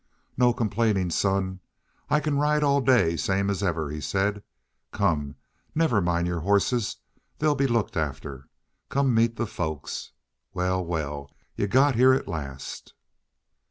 "Not complainin', son. I can ride all day same as ever," he said. "Come. Never mind your hosses. They'll be looked after. Come meet the folks.... Wal, wal, you got heah at last."